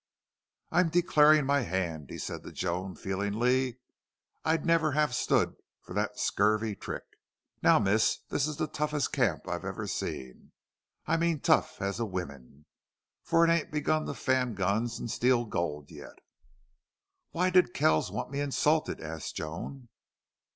"I'm declarin' my hand," he said to Joan, feelingly. "I'd never hev stood for thet scurvy trick. Now, miss, this's the toughest camp I ever seen. I mean tough as to wimmen! For it ain't begun to fan guns an' steal gold yet." "Why did Kells want me insulted?" asked Joan.